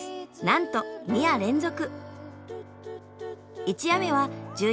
なんと２夜連続。